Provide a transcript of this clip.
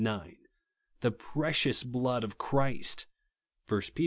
9) ;" the precious blood of Christ," (1 Pet.